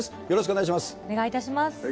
よろしくお願いします。